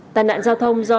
tai nạn giao thông do